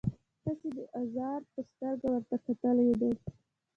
هسې د اوزار په سترګه ورته کتلي دي.